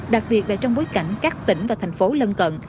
đặc biệt là trong bối cảnh các tỉnh và thành phố lân cận